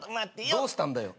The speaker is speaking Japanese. どうしたんだよ？